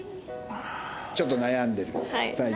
ちょっと悩んでる最中。